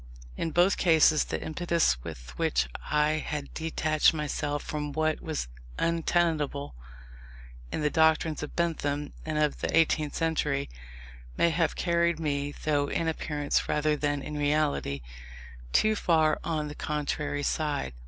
In both cases, the impetus with which I had detached myself from what was untenable in the doctrines of Bentham and of the eighteenth century, may have carried me, though in appearance rather than in reality, too far on the contrary side.